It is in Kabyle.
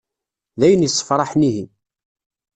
D ayen issefṛaḥen ihi.